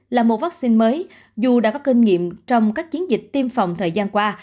là một vaccine mới dù đã có kinh nghiệm trong các chiến dịch tiêm phòng thời gian qua